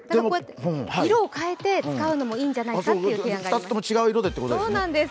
色を変えて使うのもいいんじゃないかという提案があります。